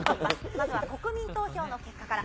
まずは国民投票の結果から。